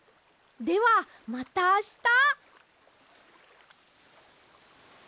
ではまたあした。